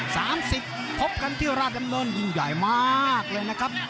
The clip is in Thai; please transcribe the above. สามสิบพบกันที่ราชดำเนินยิ่งใหญ่มากเลยนะครับ